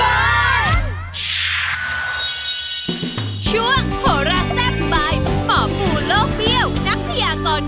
แม่บ้านพระจันทร์บ่อย